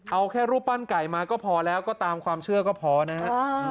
เอาแค่รูปปั้นไก่มาก็พอแล้วก็ตามความเชื่อก็พอนะฮะ